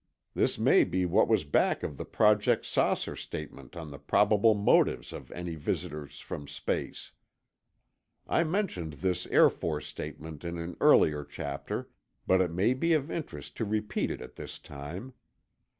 This may be what was back of the Project "Saucer" statement on the probable motives of any visitors from space. I mentioned this Air Force statement in an earlier chapter, but it may be of interest to repeat it at this time.